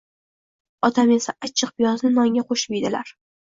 otam esa achchiq piyozni nonga qo‘shib yedilar…